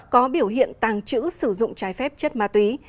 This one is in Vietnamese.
có biểu hiện tàng trữ sử dụng trái phép chất ma túy